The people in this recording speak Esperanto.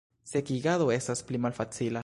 Sekigado estas pli malfacila.